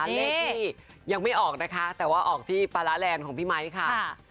เลขที่ยังไม่ออกนะคะแต่ว่าออกที่ปลาร้าแลนด์ของพี่ไมค์ค่ะ